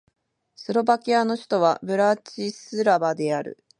スロバキアの首都はブラチスラバである